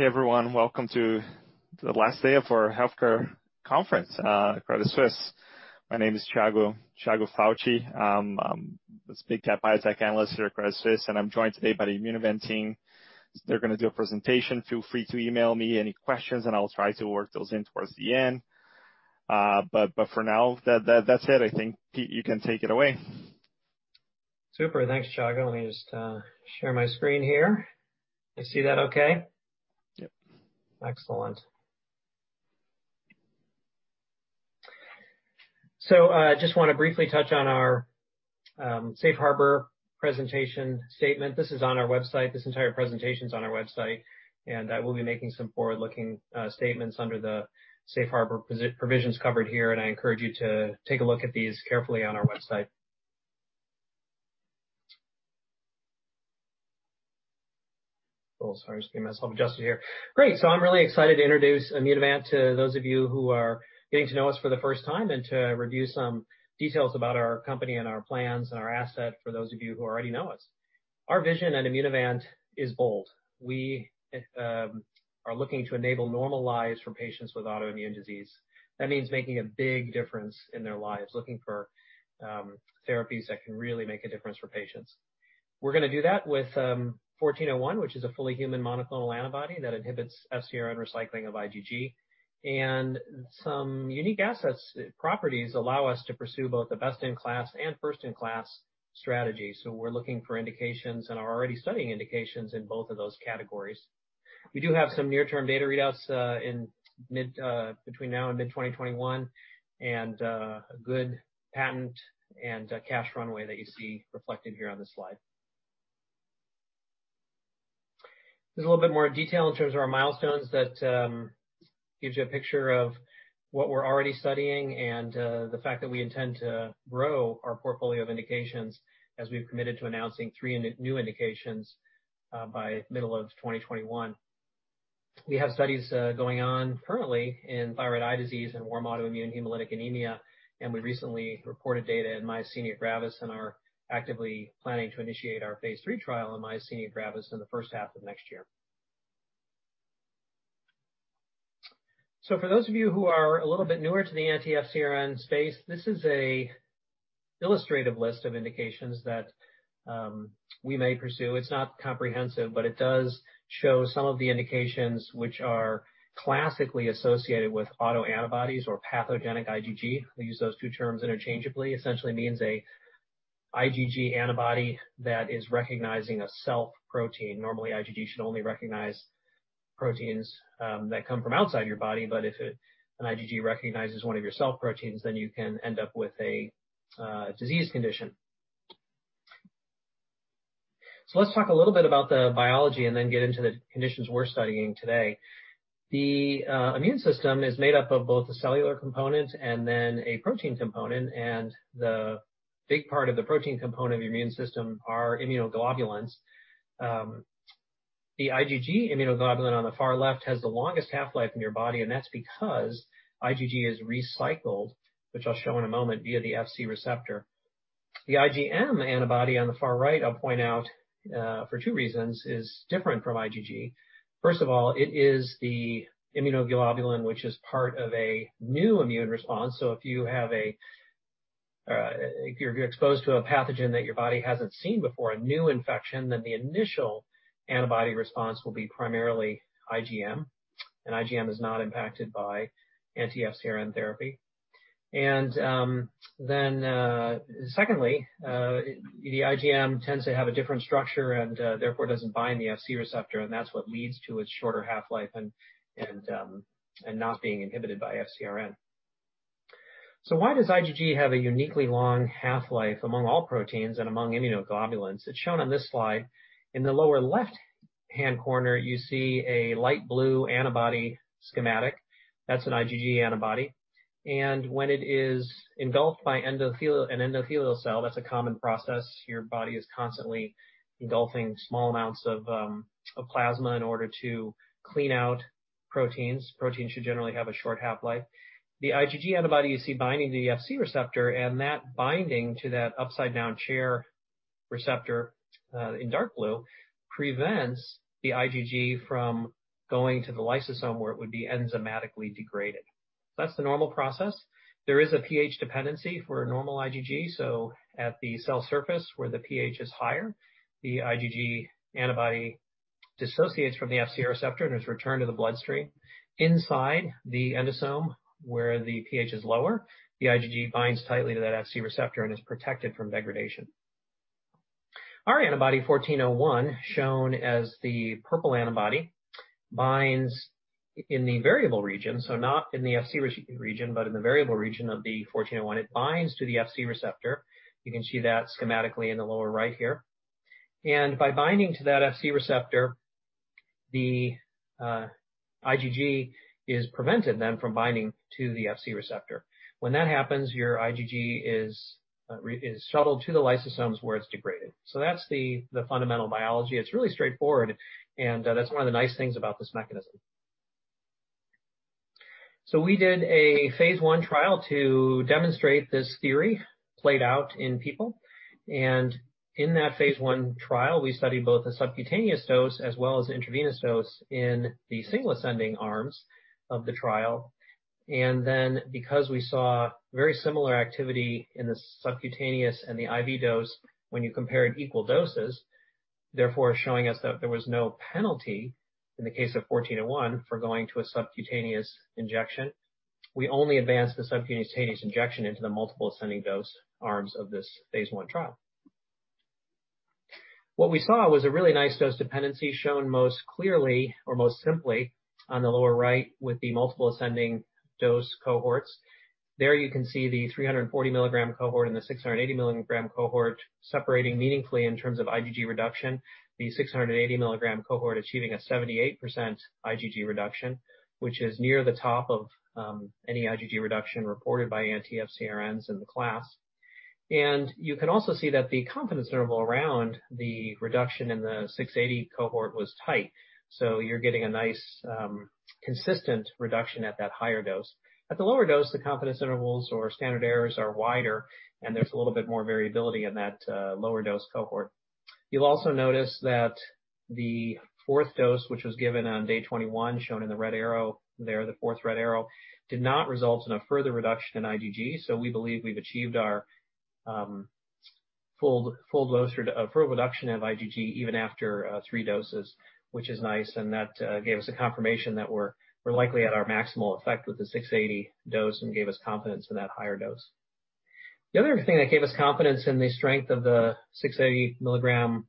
Hey everyone. Welcome to the last day of our healthcare conference, Credit Suisse. My name is Thiago Ferezin. I'm a big tech biotech analyst here at Credit Suisse, and I'm joined today by the Immunovant team. They're going to do a presentation. Feel free to email me any questions, and I will try to work those in towards the end. For now, that's it. I think, Pete, you can take it away. Super. Thanks, Thiago. Let me just share my screen here. You see that okay? Yep. Excellent. Just want to briefly touch on our safe harbor presentation statement. This is on our website. This entire presentation's on our website. I will be making some forward-looking statements under the safe harbor provisions covered here. I encourage you to take a look at these carefully on our website. Sorry. Just getting myself adjusted here. Great. I'm really excited to introduce Immunovant to those of you who are getting to know us for the first time, to review some details about our company, our plans, and our asset for those of you who already know us. Our vision at Immunovant is bold. We are looking to enable normal lives for patients with autoimmune disease. That means making a big difference in their lives, looking for therapies that can really make a difference for patients. We're going to do that with 1401, which is a fully human monoclonal antibody that inhibits FcRn recycling of IgG. Some unique asset properties allow us to pursue both the best-in-class and first-in-class strategies. We're looking for indications and are already studying indications in both of those categories. We do have some near-term data readouts between now and mid-2021, and a good patent and cash runway that you see reflected here on this slide. There's a little bit more detail in terms of our milestones that gives you a picture of what we're already studying and the fact that we intend to grow our portfolio of indications as we've committed to announcing three new indications by mid-2021. We have studies going on currently in thyroid eye disease and warm autoimmune hemolytic anemia. We recently reported data in myasthenia gravis and are actively planning to initiate our phase III trial in myasthenia gravis in the first half of next year. For those of you who are a little bit newer to the anti-FcRn space, this is an illustrative list of indications that we may pursue. It's not comprehensive, but it does show some of the indications which are classically associated with autoantibodies or pathogenic IgG. We use those two terms interchangeably, essentially means an IgG antibody that is recognizing a self-protein. Normally, IgG should only recognize proteins that come from outside your body, but if an IgG recognizes one of your self-proteins, then you can end up with a disease condition. Let's talk a little bit about the biology and then get into the conditions we're studying today. The immune system is made up of both a cellular component and a protein component. The big part of the protein component of your immune system are immunoglobulins. The IgG immunoglobulin on the far left has the longest half-life in your body, and that's because IgG is recycled, which I'll show in a moment, via the Fc receptor. The IgM antibody on the far right, I'll point out for two reasons, is different from IgG. First of all, it is the immunoglobulin which is part of a new immune response. If you're exposed to a pathogen that your body hasn't seen before, a new infection, the initial antibody response will be primarily IgM, and IgM is not impacted by anti-FcRn therapy. Secondly, the IgM tends to have a different structure and therefore doesn't bind the Fc receptor, and that's what leads to its shorter half-life and not being inhibited by FcRn. Why does IgG have a uniquely long half-life among all proteins and among immunoglobulins? It's shown on this slide. In the lower left-hand corner, you see a light blue antibody schematic. That's an IgG antibody, and when it is engulfed by an endothelial cell, that's a common process. Your body is constantly engulfing small amounts of plasma in order to clean out proteins. Proteins should generally have a short half-life. The IgG antibody you see binding to the Fc receptor, and that binding to that upside-down chair receptor in dark blue prevents the IgG from going to the lysosome where it would be enzymatically degraded. That's the normal process. There is a pH dependency for a normal IgG, so at the cell surface where the pH is higher, the IgG antibody dissociates from the Fc receptor and is returned to the bloodstream. Inside the endosome, where the pH is lower, the IgG binds tightly to that Fc receptor and is protected from degradation. Our antibody 1401, shown as the purple antibody, binds in the variable region, so not in the Fc region, but in the variable region of the 1401. It binds to the Fc receptor. You can see that schematically in the lower right here. By binding to that Fc receptor, the IgG is prevented then from binding to the Fc receptor. When that happens, your IgG is shuttled to the lysosomes where it's degraded. That's the fundamental biology. It's really straightforward, and that's one of the nice things about this mechanism. We did a phase I trial to demonstrate this theory played out in people. In that phase I trial, we studied both a subcutaneous dose as well as intravenous dose in the single ascending arms of the trial. Then because we saw very similar activity in the subcutaneous and the IV dose when you compare in equal doses, therefore showing us that there was no penalty in the case of IMVT-1401 for going to a subcutaneous injection, we only advanced the subcutaneous injection into the multiple ascending dose arms of this phase I trial. What we saw was a really nice dose dependency shown most clearly or most simply on the lower right with the multiple ascending dose cohorts. There you can see the 340 milligram cohort and the 680 milligram cohort separating meaningfully in terms of IgG reduction, the 680 milligram cohort achieving a 78% IgG reduction, which is near the top of any IgG reduction reported by anti-FcRns in the class. You can also see that the confidence interval around the reduction in the 680 cohort was tight. You're getting a nice consistent reduction at that higher dose. At the lower dose, the confidence intervals or standard errors are wider, and there's a little bit more variability in that lower dose cohort. You'll also notice that the fourth dose, which was given on day 21, shown in the red arrow there, the fourth red arrow, did not result in a further reduction in IgG. We believe we've achieved our full reduction of IgG even after three doses, which is nice, and that gave us a confirmation that we're likely at our maximal effect with the 680 dose and gave us confidence in that higher dose. The other thing that gave us confidence in the strength of the 680 milligram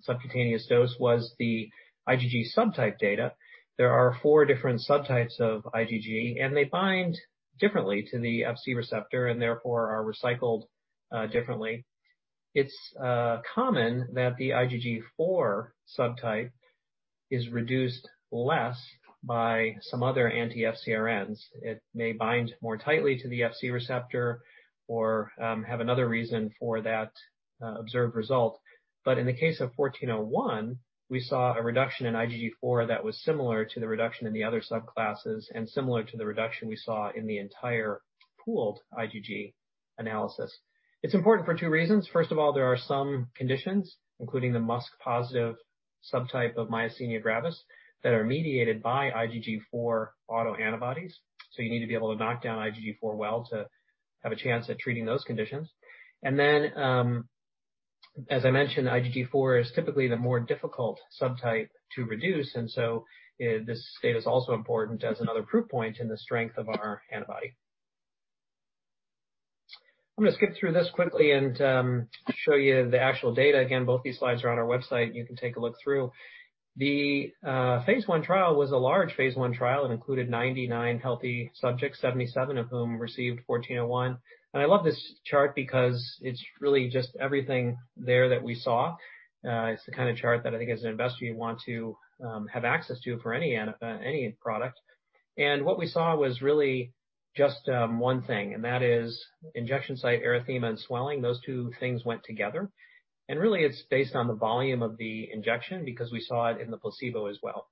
subcutaneous dose was the IgG subtype data. There are four different subtypes of IgG, and they bind differently to the Fc receptor and therefore are recycled differently. It's common that the IgG4 subtype is reduced less by some other anti-FcRns. It may bind more tightly to the Fc receptor or have another reason for that observed result. In the case of 1401, we saw a reduction in IgG4 that was similar to the reduction in the other subclasses and similar to the reduction we saw in the entire pooled IgG analysis. It's important for two reasons. First of all, there are some conditions, including the MuSK-positive subtype of myasthenia gravis, that are mediated by IgG4 autoantibodies. You need to be able to knock down IgG4 well to have a chance at treating those conditions. As I mentioned, IgG4 is typically the more difficult subtype to reduce, this data is also important as another proof point in the strength of our antibody. I'm going to skip through this quickly and show you the actual data. Again, both these slides are on our website, and you can take a look through. The phase I trial was a large phase I trial. It included 99 healthy subjects, 77 of whom received 1401. I love this chart because it's really just everything there that we saw. It's the kind of chart that I think as an investor you'd want to have access to for any product. What we saw was really just one thing, and that is injection site erythema and swelling. Those two things went together, and really it's based on the volume of the injection because we saw it in the placebo as well.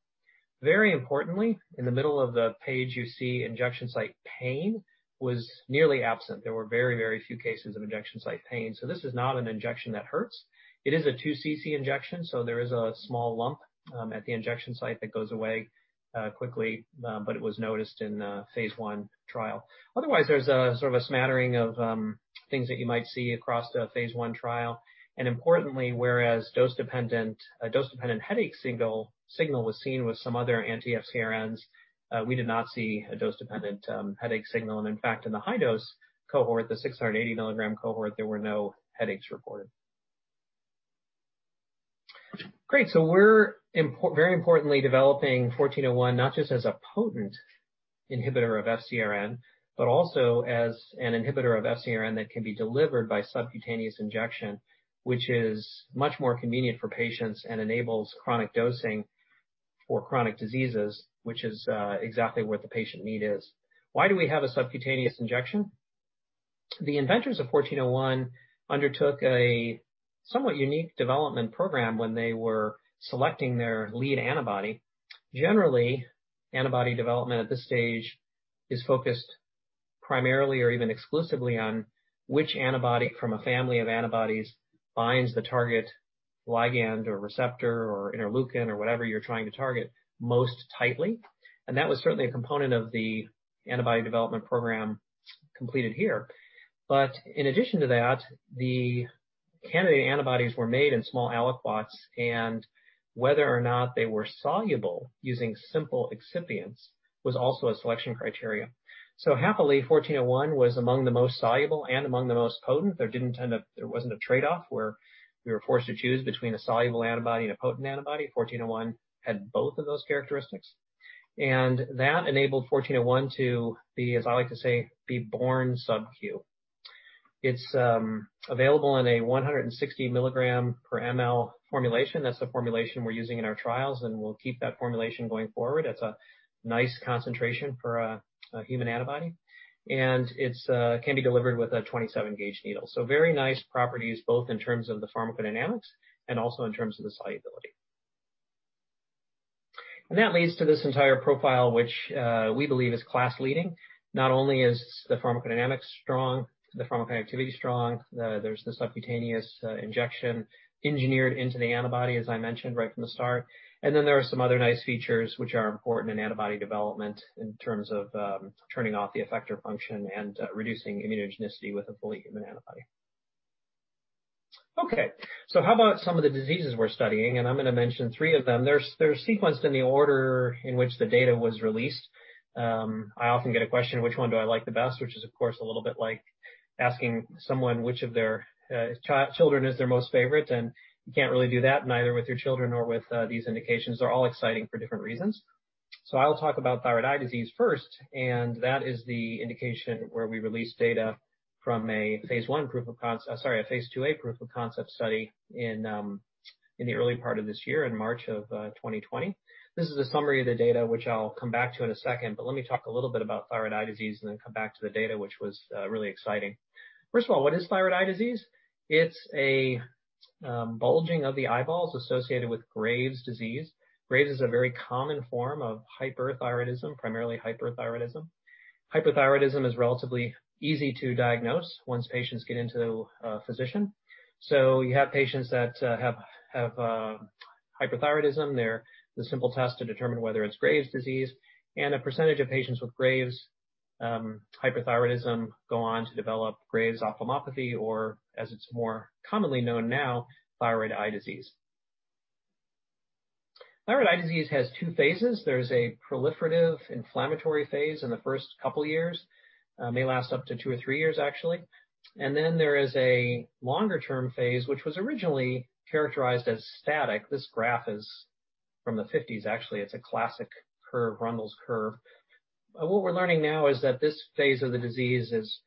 Very importantly, in the middle of the page, you see injection site pain was nearly absent. There were very few cases of injection site pain. This is not an injection that hurts. It is a 2cc injection, so there is a small lump at the injection site that goes away quickly, but it was noticed in the phase I trial. Otherwise, there's a sort of a smattering of things that you might see across the phase I trial. Importantly, whereas a dose-dependent headache signal was seen with some other anti-FcRns, we did not see a dose-dependent headache signal. In fact, in the high dose cohort, the 680 mg cohort, there were no headaches reported. Great. We're very importantly developing IMVT-1401, not just as a potent inhibitor of FcRn, but also as an inhibitor of FcRn that can be delivered by subcutaneous injection, which is much more convenient for patients and enables chronic dosing for chronic diseases, which is exactly what the patient need is. Why do we have a subcutaneous injection? The inventors of IMVT-1401 undertook a somewhat unique development program when they were selecting their lead antibody. Generally, antibody development at this stage is focused primarily or even exclusively on which antibody from a family of antibodies binds the target ligand or receptor or interleukin or whatever you're trying to target most tightly. That was certainly a component of the antibody development program completed here. In addition to that, the candidate antibodies were made in small aliquots, and whether or not they were soluble using simple excipients was also a selection criteria. Happily, 1401 was among the most soluble and among the most potent. There wasn't a trade-off where we were forced to choose between a soluble antibody and a potent antibody. 1401 had both of those characteristics, and that enabled 1401 to be, as I like to say, be born sub-Q. It's available in a 160 milligram per ML formulation. That's the formulation we're using in our trials, and we'll keep that formulation going forward. That's a nice concentration for a human antibody. It can be delivered with a 27 gauge needle. Very nice properties both in terms of the pharmacodynamics and also in terms of the solubility. That leads to this entire profile, which we believe is class-leading. Not only is the pharmacodynamics strong, the pharmacoactivity strong, there's the subcutaneous injection engineered into the antibody, as I mentioned right from the start. There are some other nice features which are important in antibody development in terms of turning off the effector function and reducing immunogenicity with a fully human antibody. Okay. How about some of the diseases we're studying, and I'm going to mention three of them. They're sequenced in the order in which the data was released. I often get a question, which one do I like the best? Which is, of course, a little bit like asking someone which of their children is their most favorite, and you can't really do that, neither with your children or with these indications. They're all exciting for different reasons. I'll talk about thyroid eye disease first, and that is the indication where we released data from a phase IIa proof of concept study in the early part of this year, in March of 2020. This is a summary of the data, which I'll come back to in a second, but let me talk a little bit about thyroid eye disease and then come back to the data, which was really exciting. First of all, what is thyroid eye disease? It's a bulging of the eyeballs associated with Graves' disease. Graves' is a very common form of hyperthyroidism, primarily hyperthyroidism. Hypothyroidism is relatively easy to diagnose once patients get into a physician. You have patients that have hyperthyroidism. There's a simple test to determine whether it's Graves' disease, a percentage of patients with Graves' hyperthyroidism go on to develop Graves' ophthalmopathy or, as it's more commonly known now, thyroid eye disease. Thyroid eye disease has two phases. There's a proliferative inflammatory phase in the first couple of years. May last up to two or three years, actually. Then there is a longer-term phase, which was originally characterized as static. This graph is from the '50s, actually. It's a classic curve, Rundle's curve. What we're learning now is that this phase of the disease is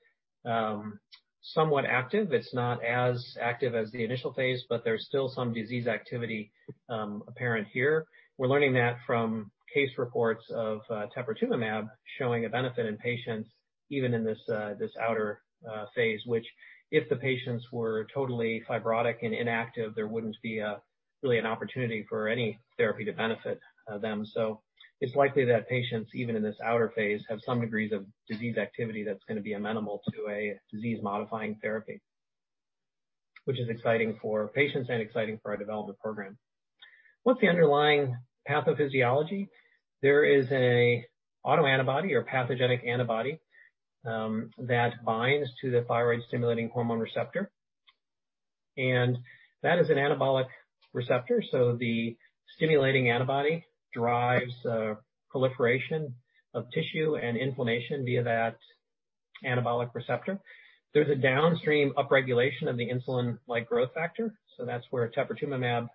somewhat active. It's not as active as the initial phase, there's still some disease activity apparent here. We're learning that from case reports of teprotumumab showing a benefit in patients even in this outer phase, which if the patients were totally fibrotic and inactive, there wouldn't be really an opportunity for any therapy to benefit them. It's likely that patients, even in this outer phase, have some degrees of disease activity that's going to be amenable to a disease-modifying therapy, which is exciting for patients and exciting for our development program. What's the underlying pathophysiology? There is an autoantibody or pathogenic antibody that binds to the thyroid-stimulating hormone receptor, and that is an anabolic receptor. The stimulating antibody drives proliferation of tissue and inflammation via that anabolic receptor. There's a downstream upregulation of the insulin-like growth factor, that's where teprotumumab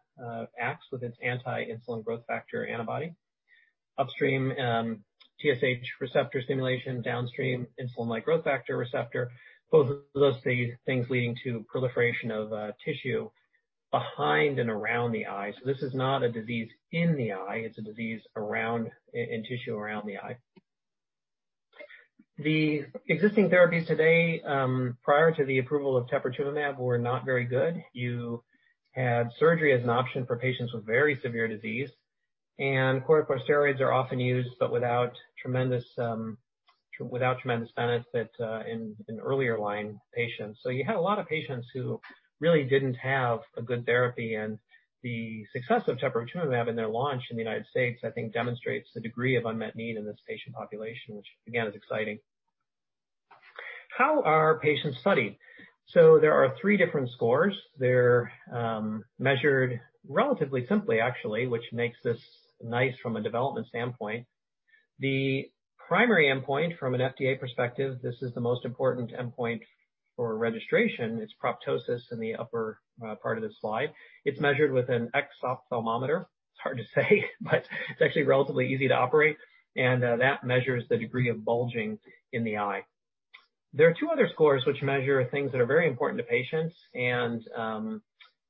acts with its anti-insulin growth factor antibody. Upstream TSH receptor stimulation, downstream insulin-like growth factor receptor. Both of those things leading to proliferation of tissue behind and around the eye. This is not a disease in the eye, it's a disease in tissue around the eye. The existing therapies today, prior to the approval of teprotumumab, were not very good. You had surgery as an option for patients with very severe disease, and corticosteroids are often used, but without tremendous benefit in earlier line patients. You had a lot of patients who really didn't have a good therapy, and the success of teprotumumab in their launch in the United States, I think, demonstrates the degree of unmet need in this patient population, which again, is exciting. How are patients studied? There are three different scores. They're measured relatively simply, actually, which makes this nice from a development standpoint. The primary endpoint from an FDA perspective, this is the most important endpoint for registration. It's proptosis in the upper part of this slide. It's measured with an exophthalmometer. It's hard to say, but it's actually relatively easy to operate, and that measures the degree of bulging in the eye. There are two other scores which measure things that are very important to patients, and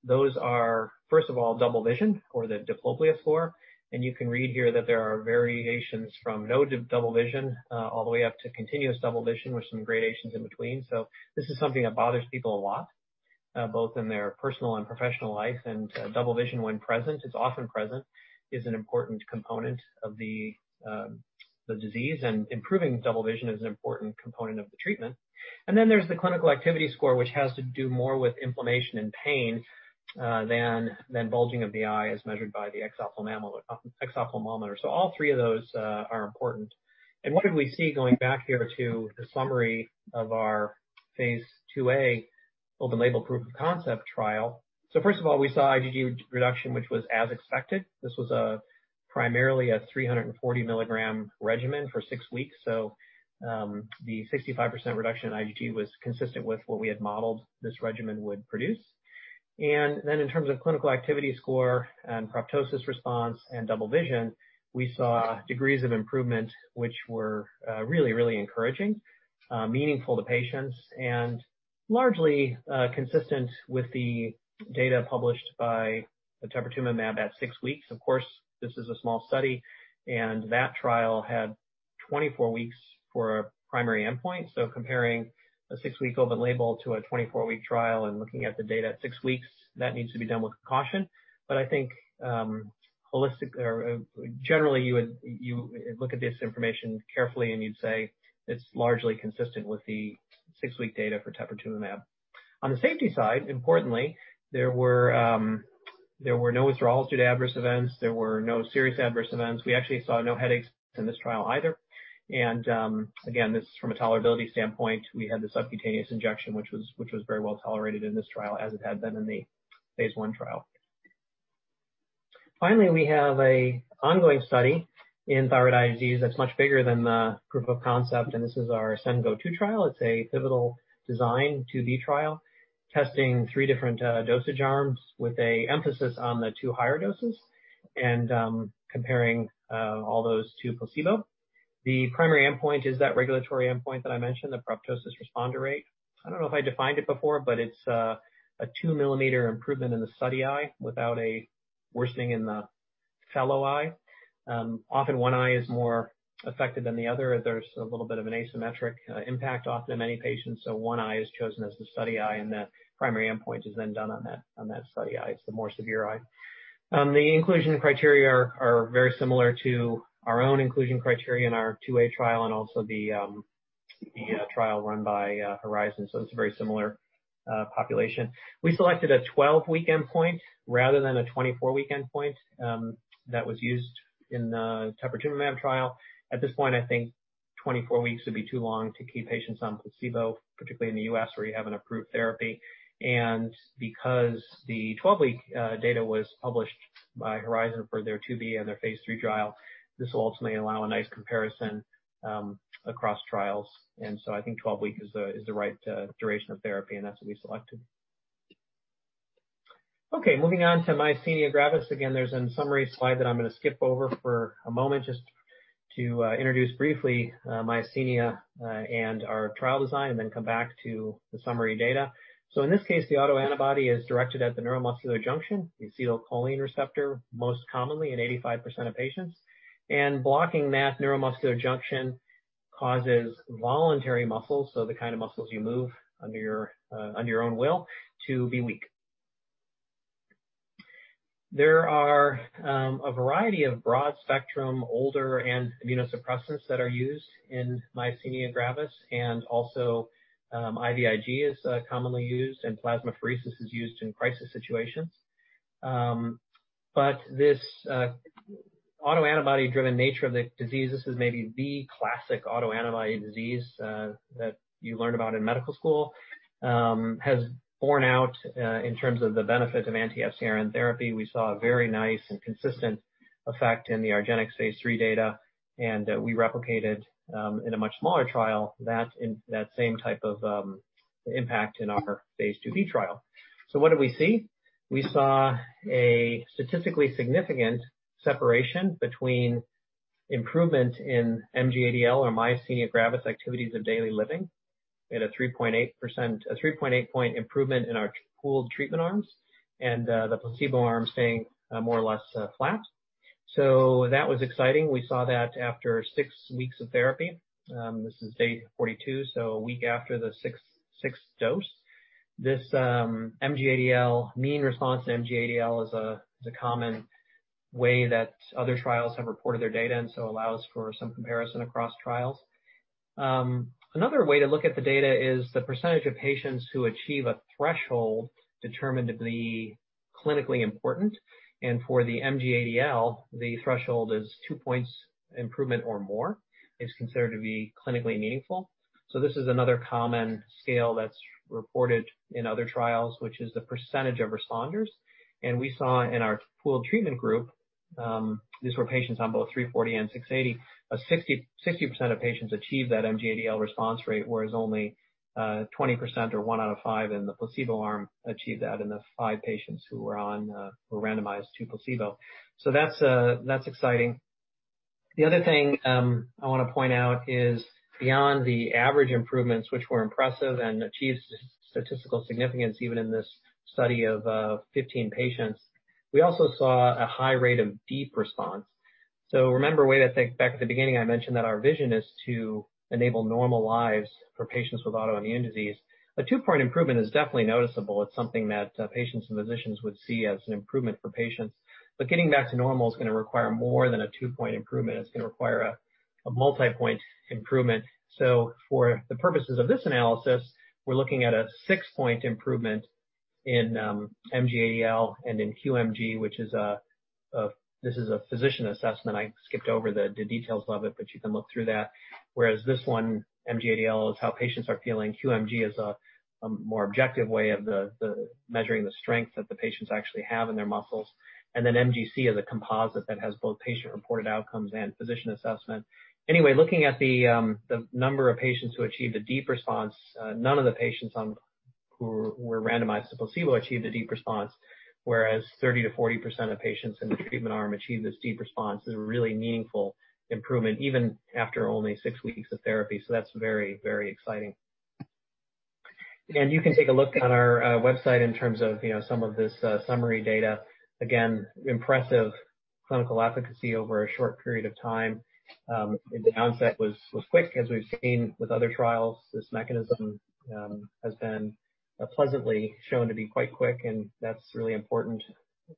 those are, first of all, double vision or the diplopia score. You can read here that there are variations from no double vision all the way up to continuous double vision with some gradations in between. This is something that bothers people a lot, both in their personal and professional life. Double vision when present, it's often present, is an important component of the disease and improving double vision is an important component of the treatment. There's the clinical activity score, which has to do more with inflammation and pain than bulging of the eye as measured by the exophthalmometer. All three of those are important. What did we see going back here to the summary of our phase IIa open-label proof of concept trial? First of all, we saw IgG reduction, which was as expected. This was primarily a 340 milligram regimen for six weeks. The 65% reduction in IgG was consistent with what we had modeled this regimen would produce. In terms of clinical activity score and proptosis response and double vision, we saw degrees of improvement, which were really encouraging, meaningful to patients, and largely consistent with the data published by teprotumumab at six weeks. Of course, this is a small study, and that trial had 24 weeks for a primary endpoint. Comparing a six-week open-label to a 24-week trial and looking at the data at six weeks, that needs to be done with caution. I think generally you would look at this information carefully and you'd say it's largely consistent with the six-week data for teprotumumab. On the safety side, importantly, there were no withdrawals due to adverse events. There were no serious adverse events. We actually saw no headaches in this trial either. Again, this is from a tolerability standpoint. We had the subcutaneous injection, which was very well tolerated in this trial, as it had been in the phase I trial. Finally, we have an ongoing study in thyroid eye disease that's much bigger than the proof of concept, this is our ASCEND-GO 2 trial. It's a pivotal design phase II-B trial testing three different dosage arms with an emphasis on the two higher doses and comparing all those to placebo. The primary endpoint is that regulatory endpoint that I mentioned, the proptosis responder rate. I don't know if I defined it before, but it's a two-millimeter improvement in the study eye without a worsening in the fellow eye. Often one eye is more affected than the other. There's a little bit of an asymmetric impact often in many patients, so one eye is chosen as the study eye, and the primary endpoint is then done on that study eye. It's the more severe eye. The inclusion criteria are very similar to our own inclusion criteria in our phase II-A trial and also the trial run by Horizon Therapeutics. It's a very similar population. We selected a 12-week endpoint rather than a 24-week endpoint that was used in the teprotumumab trial. At this point, I think 24 weeks would be too long to keep patients on placebo, particularly in the U.S. where you have an approved therapy. Because the 12-week data was published by Horizon for their phase IIb and their phase III trial, this will ultimately allow a nice comparison across trials. I think 12 weeks is the right duration of therapy, and that's what we selected. Okay, moving on to myasthenia gravis. Again, there's a summary slide that I'm going to skip over for a moment just to introduce briefly myasthenia and our trial design, and then come back to the summary data. In this case, the autoantibody is directed at the neuromuscular junction, the acetylcholine receptor, most commonly in 85% of patients. Blocking that neuromuscular junction causes voluntary muscles, so the kind of muscles you move under your own will, to be weak. There are a variety of broad-spectrum, older and immunosuppressants that are used in myasthenia gravis, and also IVIG is commonly used, and plasmapheresis is used in crisis situations. This autoantibody-driven nature of the disease, this is maybe the classic autoantibody disease that you learned about in medical school, has borne out in terms of the benefit of anti-FcRn therapy. We saw a very nice and consistent effect in the argenx phase III data, and we replicated in a much smaller trial that same type of impact in our phase II-B trial. What did we see? We saw a statistically significant separation between improvement in MG-ADL or myasthenia gravis activities of daily living at a 3.8-point improvement in our pooled treatment arms and the placebo arm staying more or less flat. That was exciting. We saw that after 6 weeks of therapy. This is day 42, so a week after the sixth dose. This mean response to MG-ADL is a common way that other trials have reported their data and so allows for some comparison across trials. Another way to look at the data is the percentage of patients who achieve a threshold determined to be clinically important, and for the MG-ADL, the threshold is two points improvement or more is considered to be clinically meaningful. This is another common scale that's reported in other trials, which is the percentage of responders. We saw in our pooled treatment group, these were patients on both 340 and 680, 60% of patients achieved that MG-ADL response rate, whereas only 20% or one out of five in the placebo arm achieved that in the five patients who were randomized to placebo. That's exciting. The other thing I want to point out is beyond the average improvements, which were impressive and achieved statistical significance, even in this study of 15 patients, we also saw a high rate of deep response. Remember way back at the beginning, I mentioned that our vision is to enable normal lives for patients with autoimmune disease. A two-point improvement is definitely noticeable. It's something that patients and physicians would see as an improvement for patients. Getting back to normal is going to require more than a two-point improvement. It's going to require a multipoint improvement. For the purposes of this analysis, we're looking at a 6-point improvement in MG-ADL and in QMG. This is a physician assessment. I skipped over the details of it, but you can look through that. Whereas this one, MG-ADL, is how patients are feeling. QMG is a more objective way of measuring the strength that the patients actually have in their muscles. MGC is a composite that has both patient-reported outcomes and physician assessment. Looking at the number of patients who achieved a deep response, none of the patients who were randomized to placebo achieved a deep response, whereas 30%-40% of patients in the treatment arm achieved this deep response is a really meaningful improvement, even after only six weeks of therapy. That's very exciting. You can take a look on our website in terms of some of this summary data. Again, impressive clinical efficacy over a short period of time. The onset was quick, as we've seen with other trials. This mechanism has been pleasantly shown to be quite quick. That's really important.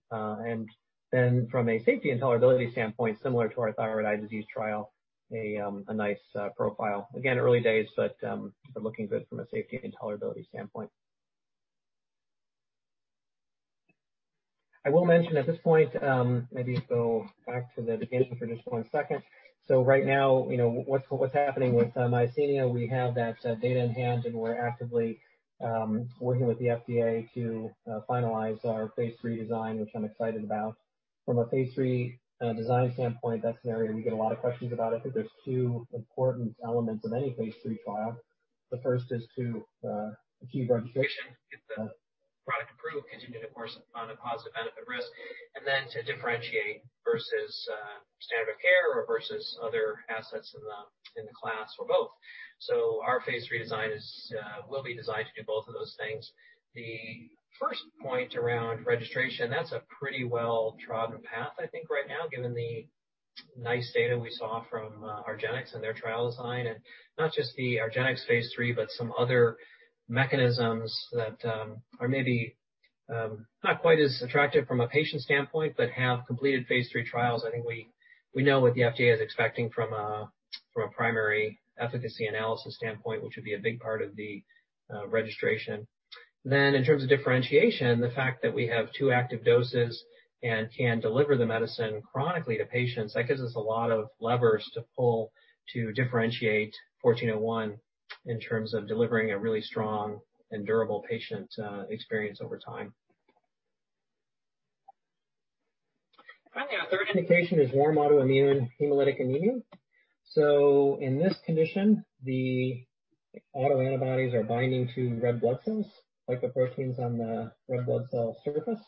From a safety and tolerability standpoint, similar to our thyroid eye disease trial, a nice profile. Again, early days, looking good from a safety and tolerability standpoint. I will mention at this point, maybe go back to the beginning for just one second. Right now, what's happening with myasthenia, we have that data in hand. We're actively working with the FDA to finalize our phase III design, which I'm excited about. From a phase III design standpoint, that's an area we get a lot of questions about. I think there's two important elements of any phase III trial. The first is to achieve registration, get the product approved, continue to course on a positive benefit risk, and then to differentiate versus standard of care or versus other assets in the class or both. Our phase III design will be designed to do both of those things. The first point around registration, that's a pretty well-trodden path, I think, right now, given the nice data we saw from argenx and their trial design. Not just the argenx phase III, but some other mechanisms that are maybe not quite as attractive from a patient standpoint but have completed phase III trials. I think we know what the FDA is expecting from a primary efficacy analysis standpoint, which would be a big part of the registration. In terms of differentiation, the fact that we have two active doses and can deliver the medicine chronically to patients, that gives us a lot of levers to pull to differentiate 1401 in terms of delivering a really strong and durable patient experience over time. Finally, our third indication is warm autoimmune hemolytic anemia. In this condition, the autoantibodies are binding to red blood cells, glycoproteins on the red blood cell surface.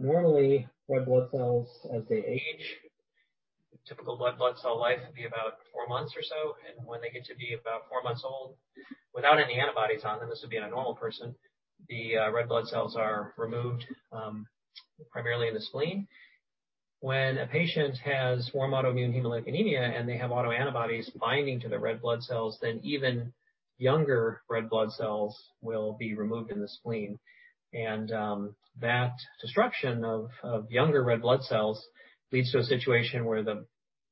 Normally, red blood cells, as they age, typical red blood cell life would be about four months or so. When they get to be about four months old, without any antibodies on them, this would be in a normal person, the red blood cells are removed primarily in the spleen. When a patient has warm autoimmune hemolytic anemia and they have autoantibodies binding to the red blood cells, even younger red blood cells will be removed in the spleen. That destruction of younger red blood cells leads to a situation where the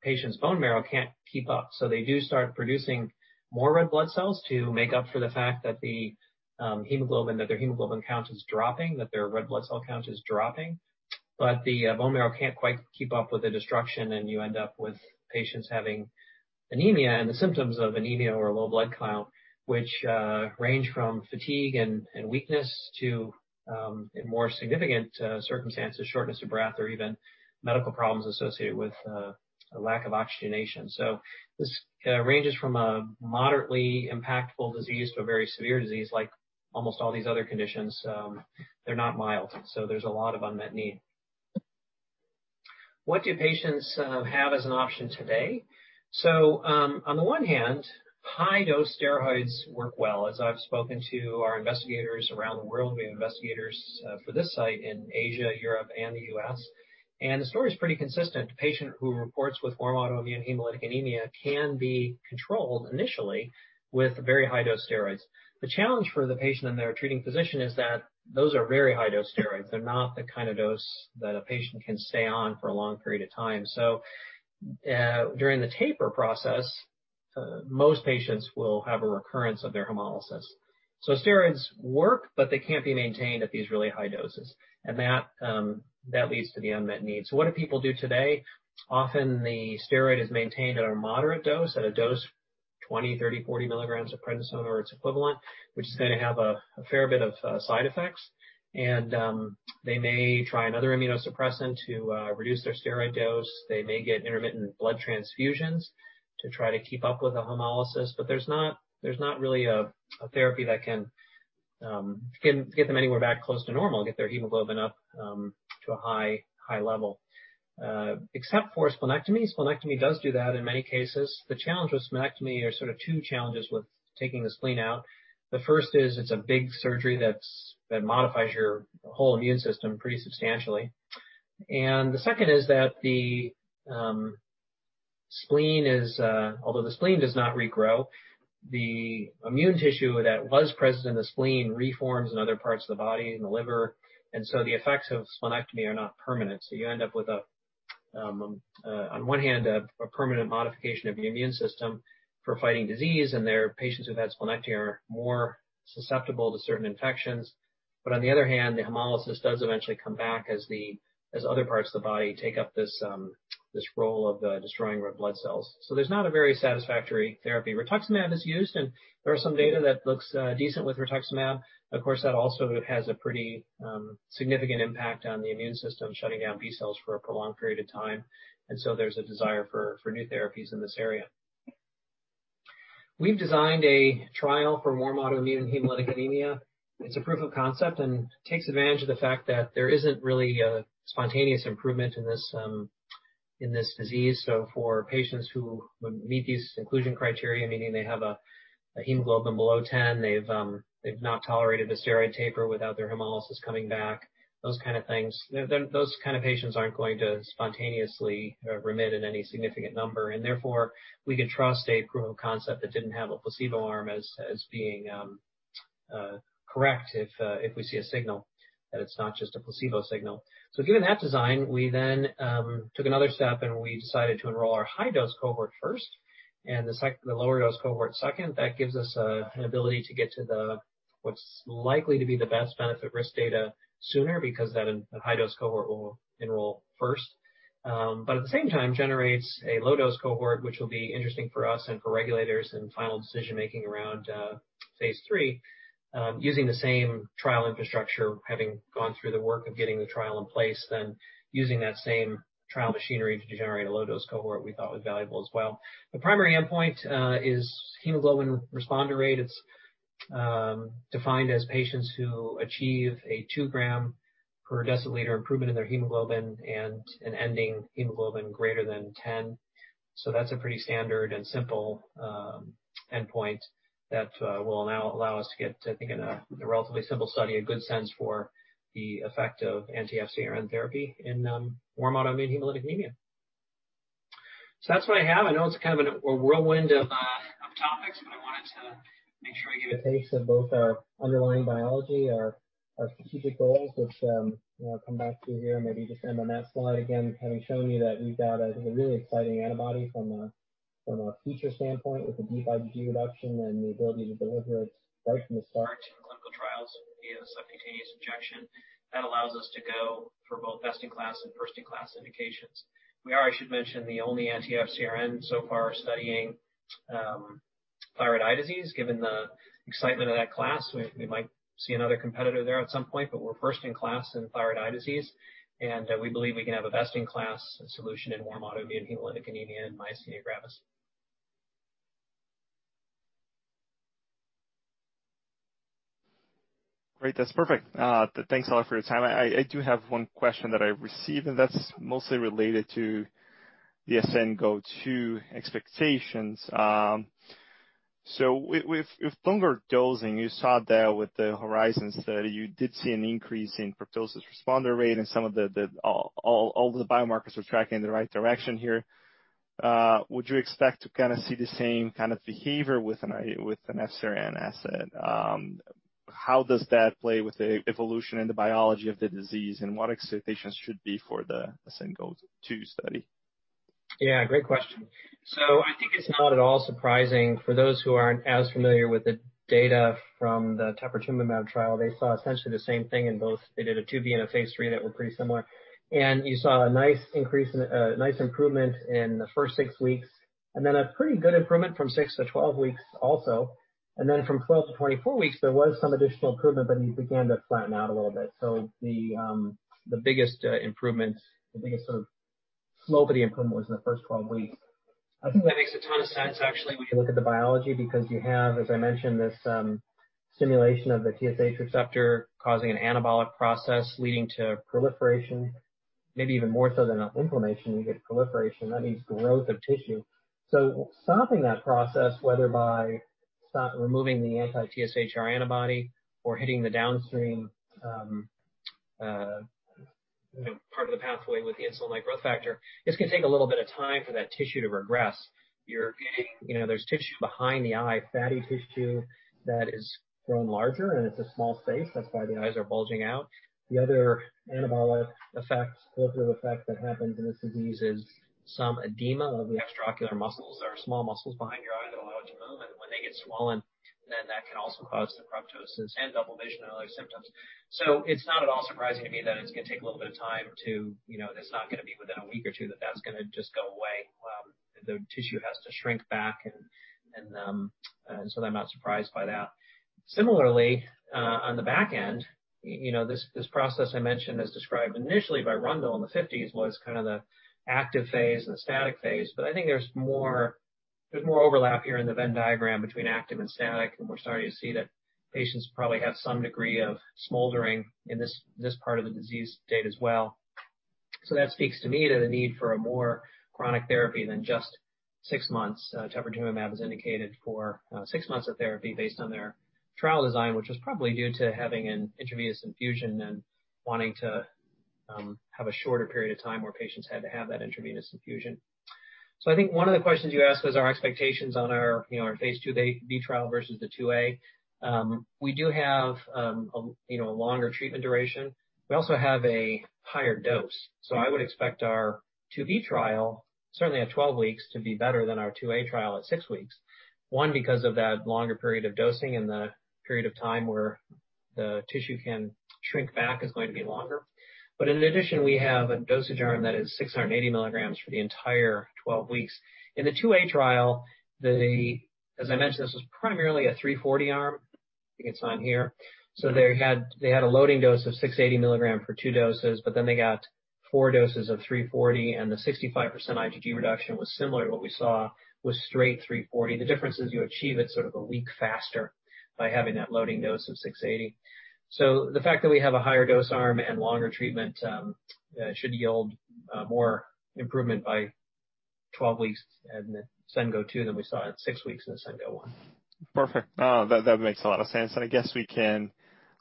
patient's bone marrow can't keep up. They do start producing more red blood cells to make up for the fact that their hemoglobin count is dropping, that their red blood cell count is dropping. The bone marrow can't quite keep up with the destruction, and you end up with patients having anemia and the symptoms of anemia or low blood count, which range from fatigue and weakness to, in more significant circumstances, shortness of breath or even medical problems associated with a lack of oxygenation. This ranges from a moderately impactful disease to a very severe disease, like almost all these other conditions. They're not mild, there's a lot of unmet need. What do patients have as an option today? On the one hand, high-dose steroids work well. As I've spoken to our investigators around the world, we have investigators for this site in Asia, Europe, and the U.S., and the story's pretty consistent. A patient who reports with warm autoimmune hemolytic anemia can be controlled initially with very high-dose steroids. The challenge for the patient and their treating physician is that those are very high-dose steroids. They're not the kind of dose that a patient can stay on for a long period of time. During the taper process, most patients will have a recurrence of their hemolysis. Steroids work, but they can't be maintained at these really high doses, and that leads to the unmet need. What do people do today? Often, the steroid is maintained at a moderate dose, at a dose 20, 30, 40 milligrams of prednisone or its equivalent, which is going to have a fair bit of side effects. They may try another immunosuppressant to reduce their steroid dose. They may get intermittent blood transfusions to try to keep up with the hemolysis. There's not really a therapy that can get them anywhere back close to normal, get their hemoglobin up to a high level. Except for splenectomy. Splenectomy does do that in many cases. The challenge with splenectomy are sort of two challenges with taking the spleen out. The first is it's a big surgery that modifies your whole immune system pretty substantially. The second is that although the spleen does not regrow, the immune tissue that was present in the spleen reforms in other parts of the body, in the liver, and so the effects of splenectomy are not permanent. You end up with, on one hand, a permanent modification of your immune system for fighting disease, and there are patients who've had splenectomy are more susceptible to certain infections. On the other hand, the hemolysis does eventually come back as other parts of the body take up this role of destroying red blood cells. There's not a very satisfactory therapy. rituximab is used, and there are some data that looks decent with rituximab. Of course, that also has a pretty significant impact on the immune system, shutting down B cells for a prolonged period of time, and so there's a desire for new therapies in this area. We've designed a trial for warm autoimmune hemolytic anemia. It's a proof of concept and takes advantage of the fact that there isn't really a spontaneous improvement in this disease. For patients who would meet these inclusion criteria, meaning they have a hemoglobin below 10, they've not tolerated the steroid taper without their hemolysis coming back, those kind of things. Those kind of patients aren't going to spontaneously remit in any significant number, and therefore, we could trust a proof-of-concept that didn't have a placebo arm as being correct if we see a signal that it's not just a placebo signal. Given that design, we then took another step, and we decided to enroll our high-dose cohort first and the lower dose cohort second. That gives us an ability to get to the what's likely to be the best benefit-risk data sooner because that high-dose cohort will enroll first. At the same time generates a low-dose cohort, which will be interesting for us and for regulators in final decision-making around phase III. Using the same trial infrastructure, having gone through the work of getting the trial in place, then using that same trial machinery to generate a low-dose cohort we thought was valuable as well. The primary endpoint is hemoglobin responder rate. It's defined as patients who achieve a two gram per deciliter improvement in their hemoglobin and an ending hemoglobin greater than 10. That's a pretty standard and simple endpoint that will now allow us to get, I think, in a relatively simple study, a good sense for the effect of anti-FcRn therapy in warm autoimmune hemolytic anemia. That's what I have. I know it's kind of a whirlwind of topics, but I wanted to make sure I gave a taste of both our underlying biology, our strategic goals, which I'll come back to here and maybe just end on that slide again, having shown you that we've got a really exciting antibody from a feature standpoint with the IgG reduction and the ability to deliver it right from the start in clinical trials via subcutaneous injection. That allows us to go for both best-in-class and first-in-class indications. We are, I should mention, the only anti-FcRn so far studying thyroid eye disease. Given the excitement of that class, we might see another competitor there at some point, but we're first in class in thyroid eye disease, and we believe we can have a best-in-class solution in warm autoimmune hemolytic anemia and myasthenia gravis. Great. That's perfect. Thanks a lot for your time. I do have one question that I received, and that's mostly related to the ASCEND-GO 2 expectations. With longer dosing, you saw there with the Horizon study, you did see an increase in proptosis responder rate and all of the biomarkers are tracking in the right direction here. Would you expect to see the same kind of behavior with an FcRn asset? How does that play with the evolution and the biology of the disease, and what expectations should be for the ASCEND-GO 2 study? Yeah, great question. I think it's not at all surprising for those who aren't as familiar with the data from the teprotumumab trial. They saw essentially the same thing in both. They did a phase II-B and a phase III that were pretty similar. You saw a nice improvement in the first six weeks, then a pretty good improvement from six - 12 weeks also. From 12 - 24 weeks, there was some additional improvement, but you began to flatten out a little bit. The biggest improvement, the biggest sort of slope of the improvement, was in the first 12 weeks. I think that makes a ton of sense, actually, when you look at the biology, because you have, as I mentioned, this simulation of the TSH receptor causing an anabolic process leading to proliferation. Maybe even more so than inflammation, you get proliferation. That means growth of tissue. Stopping that process, whether by removing the anti-TSHR antibody or hitting the downstream part of the pathway with the insulin-like growth factor, it's going to take a little bit of time for that tissue to regress. There's tissue behind the eye, fatty tissue that has grown larger, and it's a small space. That's why the eyes are bulging out. The other anabolic effect, proliferative effect that happens in this disease is some edema of the extraocular muscles. There are small muscles behind your eye that allow it to move, and when they get swollen, then that can also cause the proptosis and double vision and other symptoms. It's not at all surprising to me that it's going to take a little bit of time. That it's not going to be within a week or two that that's going to just go away. The tissue has to shrink back, and so I'm not surprised by that. Similarly, on the back end, this process I mentioned as described initially by Brambell in the '50s was kind of the active phase and the static phase. I think there's more overlap here in the Venn diagram between active and static, and we're starting to see that patients probably have some degree of smoldering in this part of the disease state as well. That speaks to me to the need for a more chronic therapy than just six months. teprotumumab is indicated for six months of therapy based on their trial design, which was probably due to having an intravenous infusion and wanting to have a shorter period of time where patients had to have that intravenous infusion. I think one of the questions you asked was our expectations on our phase IIB trial versus the IIA. We do have a longer treatment duration. We also have a higher dose. I would expect our IIB trial, certainly at 12 weeks, to be better than our IIA trial at six weeks. One, because of that longer period of dosing and the period of time where the tissue can shrink back is going to be longer. In addition, we have a dosage arm that is 680 milligrams for the entire 12 weeks. In the IIA trial, as I mentioned, this was primarily a 340 arm. I think it's on here. They had a loading dose of 680 milligrams for two doses, but then they got four doses of 340, and the 65% IgG reduction was similar to what we saw with straight 340. The difference is you achieve it sort of a week faster by having that loading dose of 680. The fact that we have a higher dose arm and longer treatment should yield more improvement by 12 weeks in the ASCEND-GO 2 than we saw at six weeks in the ASCEND-GO 1. Perfect. That makes a lot of sense. I guess we can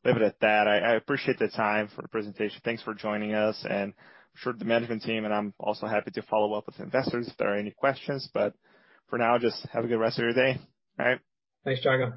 leave it at that. I appreciate the time for the presentation. Thanks for joining us. I'm sure the management team. I'm also happy to follow up with investors if there are any questions. For now, just have a good rest of your day. All right? Thanks, Thiago.